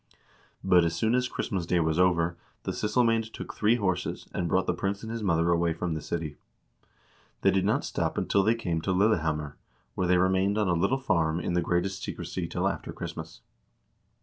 But as soon as Christmas day was over, the syssel mcBnd took three horses, and brought the prince and his mother away from the city. They did not stop until they came to Lille hammer, where they remained on a little farm in the greatest secrecy till after Christmas.